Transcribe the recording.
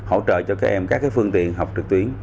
hỗ trợ cho các em các phương tiện học trực tuyến